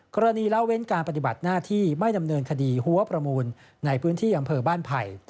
กรณีละเว้นการปฏิบัติหน้าที่ไม่ดำเนินคดีหัวประมูลในพื้นที่อำเภอบ้านไผ่